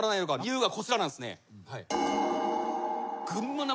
理由がこちらなんですね。